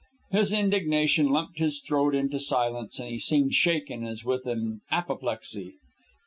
His indignation lumped his throat into silence, and he seemed shaken as with an apoplexy.